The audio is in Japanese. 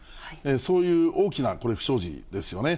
そういう大きなこれ、不祥事ですよね。